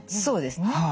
そうですね。